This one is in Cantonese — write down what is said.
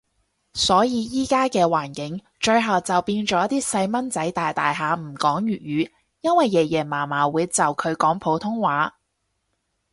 所以依家嘅環境，最後就變咗啲細蚊仔大大下唔講粵語，因為爺爺嫲嫲會就佢講普通話